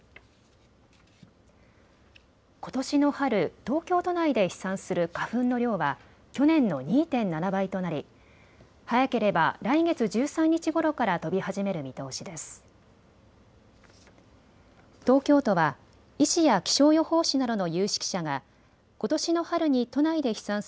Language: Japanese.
ことしの春、東京都内で飛散する花粉の量は去年の２．７倍となり早ければ来月１３日ごろから飛び始める見通しです。